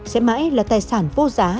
sẽ mãi là tài sản vô giá